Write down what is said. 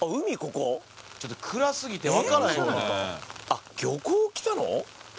あっ漁港来たの？